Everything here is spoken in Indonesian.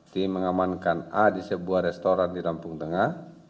tim mengamankan a di sebuah restoran di lampung tengah